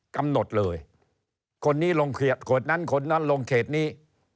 คนนี้ลงเขตคนนั้นคนนั้นลงเขตนี้